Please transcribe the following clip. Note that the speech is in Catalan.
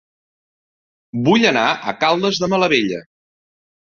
Vull anar a Caldes de Malavella